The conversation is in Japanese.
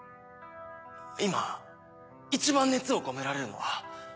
今一番熱を込められるのは。